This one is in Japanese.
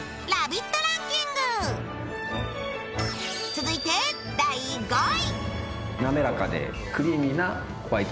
続いて第５位。